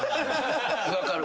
分かる。